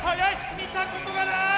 見たことがない！